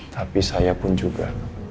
tapi saya pun juga